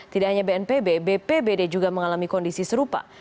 tidak hanya bnpb bpbd juga mengalami kondisi serupa